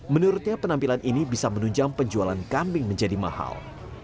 menurutnya penampilan ini bisa menunjang penjualan kambing menjadi mahal